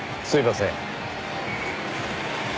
すいません。